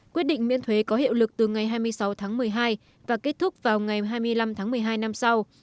quyết định miễn thuế có hiệu lực từ ngày hai mươi sáu tháng một mươi hai và kết thúc vào ngày hai mươi năm tháng một mươi hai năm sau